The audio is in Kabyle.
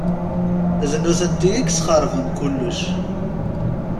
D nutenti i yesxeṛben kullec.